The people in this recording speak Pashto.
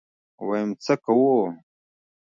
ويم څه کوو.